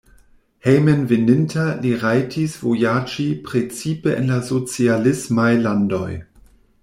Hejmenveninta li rajtis vojaĝi precipe en la socialismaj landoj.